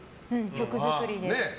曲作りで。